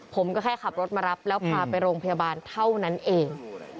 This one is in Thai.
ผมก็แค่ขับรถมารับแล้วพาไปโรงพยาบาลเท่านั้นเอง